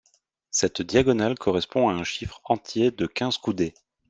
Cette diagonale correspond à un chiffre entier de quinze coudées.